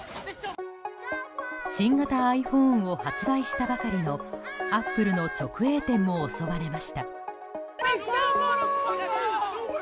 新型ｉＰｈｏｎｅを発売したばかりのアップルの直営店も襲われました。